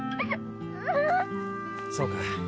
そうか。